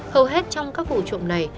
hầu hết trong các vụ trộm này